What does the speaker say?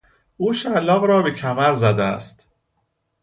او شلاق را به کمر زده است.